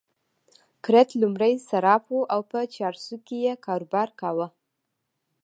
کرت لومړی صراف وو او په چارسو کې يې کاروبار کاوه.